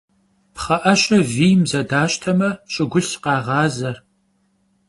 Pxhe'eşe viym zedaşteme, ş'ıgulh khağaze.